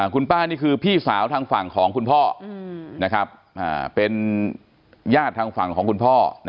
คุณป้านี่คือพี่สาวทางฝั่งของคุณพ่อเป็นญาติทางฝั่งของคุณพ่อ